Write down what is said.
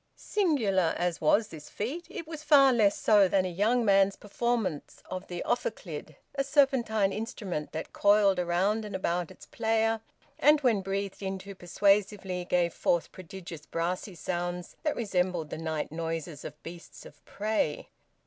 Singular as was this feat, it was far less so than a young man's performance of the ophicleide, a serpentine instrument that coiled round and about its player, and when breathed into persuasively gave forth prodigious brassy sounds that resembled the night noises of beasts of prey.